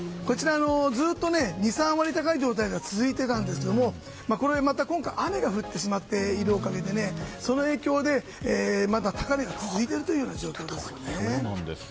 ずっと２３割高い状態が続いてたんですけど今回、雨が降ってしまっているその影響でまた高値が続いているというような状況です。